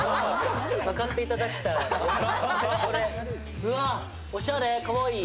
うわっ、おしゃれ、かわいい！